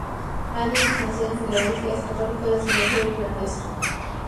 Matthews, nacido en Philadelphia, es católico de ascendencia irlandesa.